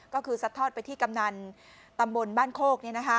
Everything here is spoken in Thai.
ก็คือซัดทอดไปที่กำนันตำบลบ้านโคก